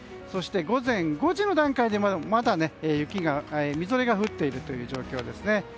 そして午前５時の段階でまだみぞれが降っている状況です。